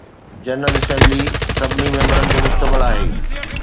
general assembly سڀني ميمبرن تي مشتمل آهي